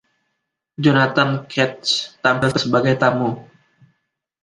Jonathan Katz tampil sebagai tamu.